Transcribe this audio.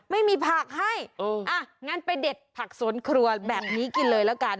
ไม่มีผักให้อ่ะงั้นไปเด็ดผักสวนครัวแบบนี้กินเลยละกัน